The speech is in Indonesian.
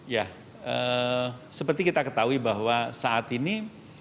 ya seperti kita ketahui bahwa saat ini